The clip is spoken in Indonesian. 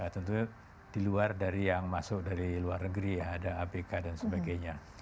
tentu di luar dari yang masuk dari luar negeri ya ada abk dan sebagainya